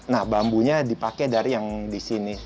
nah bambunya dipakai dari yang di sini